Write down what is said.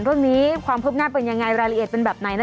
วันนี้ความพบง่ายเป็นยังไงรายละเอียดเป็นแบบไหนนะ